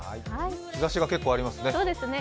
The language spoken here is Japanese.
日ざしが結構ありますね。